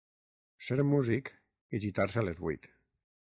Ser músic i gitar-se a les vuit.